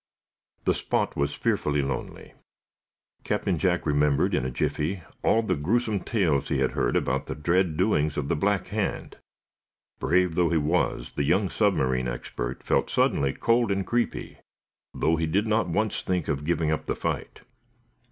The spot was fearfully lonely. Captain Jack remembered, in a jiffy, all the gruesome tales he had heard about the dread doings of the Black Hand. Brave though he was, the young submarine expert felt suddenly cold and creepy, though he did not once think of giving up the fight.